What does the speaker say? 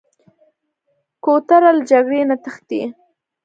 کوتره له جګړې نه تښتي.